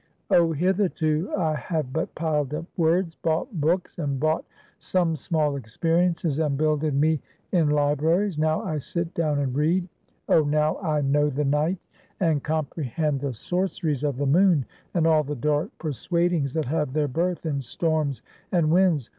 Oh, hitherto I have but piled up words; bought books, and bought some small experiences, and builded me in libraries; now I sit down and read. Oh, now I know the night, and comprehend the sorceries of the moon, and all the dark persuadings that have their birth in storms and winds.